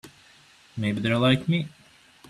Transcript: Maybe they're like me.